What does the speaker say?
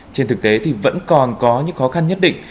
trên thực tế thì vẫn còn có những khó khăn nhất định